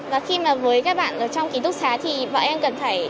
và khi mà với các bạn ở trong kỹ thuật xã thì bọn em cần phải